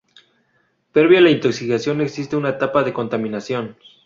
Previa a la intoxicación existe una etapa de contaminación.